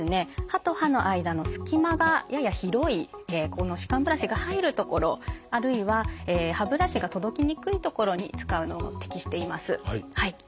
歯と歯の間のすき間がやや広い歯間ブラシが入る所あるいは歯ブラシが届きにくい所に使うのに適しています。